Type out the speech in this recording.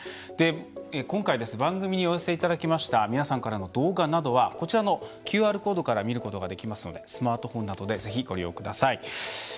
今回、番組にお寄せいただきました動画などはこちらのＱＲコードから見ることができますのでスマートフォンなどでぜひご利用ください。